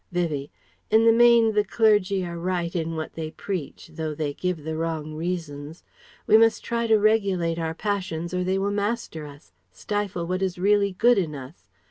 Vivie: "In the main the clergy are right in what they preach though they give the wrong reasons. We must try to regulate our passions or they will master us, stifle what is really good in us.